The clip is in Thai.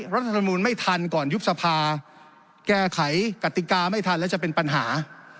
รัฐธรรมนูลไม่ทันก่อนยุบสภาแก้ไขกติกาไม่ทันแล้วจะเป็นปัญหา